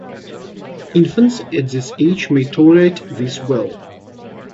Infants at this age may tolerate this well.